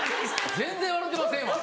全然笑うてませんわ